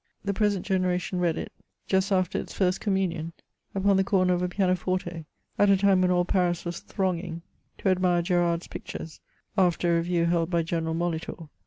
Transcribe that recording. The present generation read it just after its first 16 MEMOIRS OF communion, upon the comer of a pianoforte, at a time when all Paris was thronging to admire Gerard's pictures, after a review held hy General Molitor.